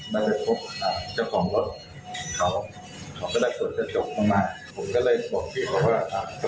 สิทธิ์ตำรวจในคลิปก็ไม่ได้พบความผิดปกติอะไรนะคะ